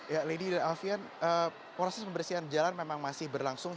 ya lady dan alfian proses pembersihan jalan memang masih berlangsung